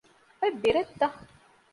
އޮތް ބިރެއްތަ؟